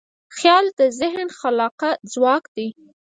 خیال د ذهن خلاقه ځواک دی.